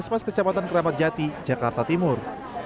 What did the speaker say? asmas kecamatan keramat jati jakarta timur